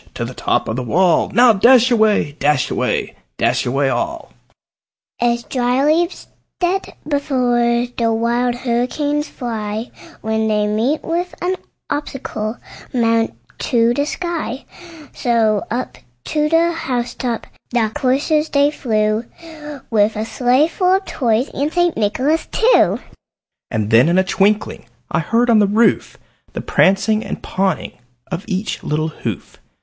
to the top of the wall! Now dash away! dash away! dash away all!" As dry leaves that before the wild hurricane fly, When they meet with an obstacle, mount to the sky; So up to the house top the coursers they flew, With the sleigh full of Toys, and St. Nicholas too. And then, in a twinkling, I heard on the roof The prancing and pawing of each little hoof.